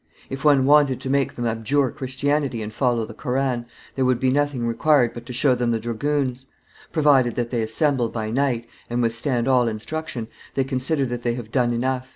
If one wanted to make them abjure Christianity and follow the Koran, there would be nothing required but to show them the dragoons; provided that they assemble by night, and withstand all instruction, they consider that they have done enough."